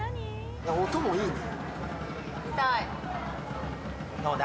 音もいいね。